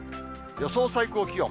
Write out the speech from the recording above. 予想最高気温。